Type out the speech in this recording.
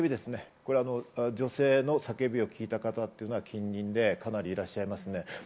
これは女性の叫びを聞いた方が近隣でかなりいらっしゃいます。